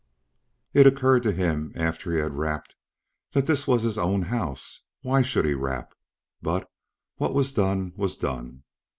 It occurred to him, after he had rapped, that this was his own house. Why should he rap? But what was done, was done.